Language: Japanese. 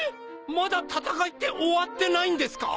まだ戦いって終わってないんですか？